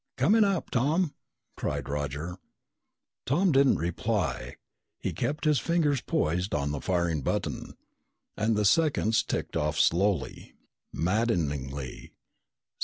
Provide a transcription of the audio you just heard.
"Coming up, Tom!" cried Roger. Tom didn't reply. He kept his fingers poised on the firing button. And the seconds ticked off slowly, maddeningly.